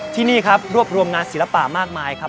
ที่นี่ครับรวบรวมงานศิลปะมากมายครับ